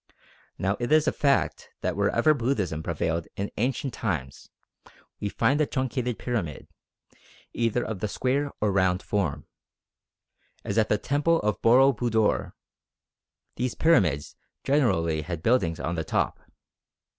Now it is a fact that wherever Buddhism prevailed in ancient times we find the truncated pyramid, either of the square or round form. As at the temple of Boro Budor, these pyramids generally had buildings on the top.